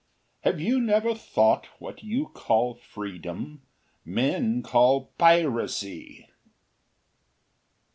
Have you never thought, What you call freedom, men call piracy!